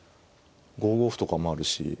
５五歩とかもあるし。